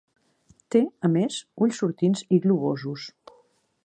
Té, a més, ulls sortints i globosos.